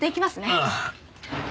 ああ。